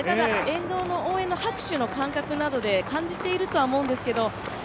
沿道の応援の拍手の感覚などで感じているとは思うんですけど。